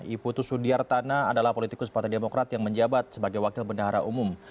iputu sudiartana adalah politikus partai demokrat yang menjabat sebagai wakil bendahara umum